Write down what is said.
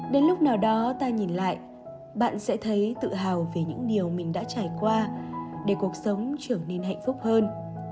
đến lúc nào đó ta nhìn lại bạn sẽ thấy tự hào về những điều mình đã trải qua để cuộc sống trở nên hạnh phúc hơn